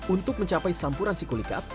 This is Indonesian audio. untuk mencapai sampuran sikulikap